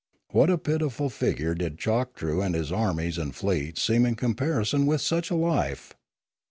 What a pitiful figure did Choktroo and his armies and fleets seem in comparison with such a life!